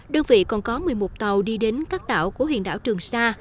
đơn vị còn có một mươi một tàu đi đến các đảo của huyện đảo trường sa